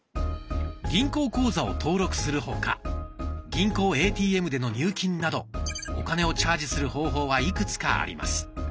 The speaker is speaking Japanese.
銀行口座を登録するほか銀行ＡＴＭでの入金などお金をチャージする方法はいくつかあります。